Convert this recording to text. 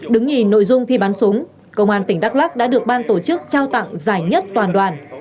đứng nhì nội dung thi bắn súng công an tỉnh đắk lắc đã được ban tổ chức trao tặng giải nhất toàn đoàn